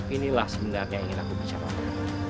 inilah sebenarnya yang ingin aku bicarakan